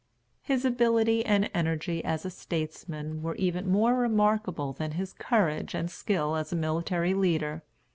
His ability and energy as a statesman were even more remarkable than his courage and skill as a military leader.